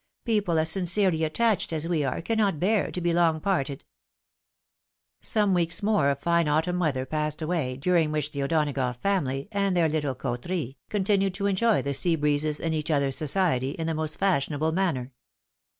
People as sincerely attached as we are, cannot bear to be long parted." Some weeks more of fine autumn weather passed away, during which the O'Donagough family, and their little coterie, continued to enjoy the sea breezes and each other's society, in the most fashionable maimer.